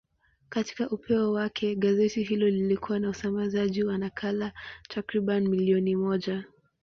Katika upeo wake, gazeti hilo lilikuwa na usambazaji wa nakala takriban milioni moja.